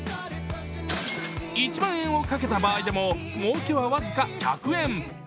１万円を掛けた場合でも、もうけは僅か１００円。